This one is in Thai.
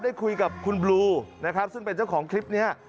ได้คุยกับคุณบลูนะครับซึ่งเป็นเจ้าของคลิปนี้